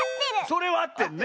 それはあってるのね。